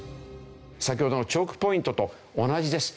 先ほどのチョークポイントと同じです。